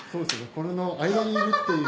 これの間にいるっていう。